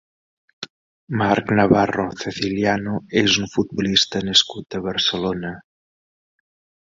Marc Navarro Ceciliano és un futbolista nascut a Barcelona.